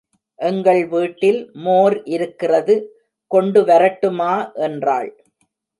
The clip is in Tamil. எங்கள் வீட்டில் மோர் இருக்கிறது கொண்டு வரட்டுமா என்றாள்.